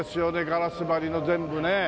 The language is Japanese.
ガラス張りの全部ねえ。